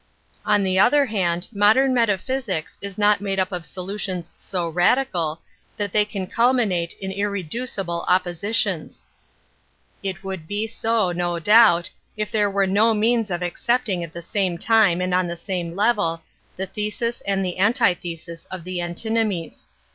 On the other hand, modem metaphysics is not made up of solutions so radical that they can culminate in irreducible oppo An Introduction to sitions. It would be so, no doubt, if the were no means of accepting at the i time and on the same level the thesis i the antithesis of the antinomies.